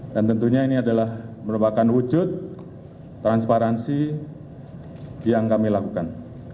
dan tentunya ini adalah merupakan wujud transparansi yang kami lakukan